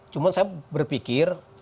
cuman saya berpikir